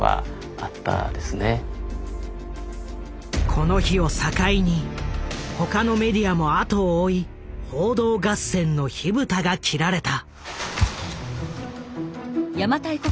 この日を境に他のメディアも後を追い報道合戦の火蓋が切られた。